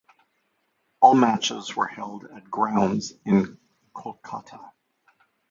All matches were held at grounds in Kolkata.